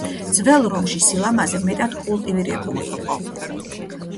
ძველ რომში სილამაზე მეტად კულტივირებული იყო.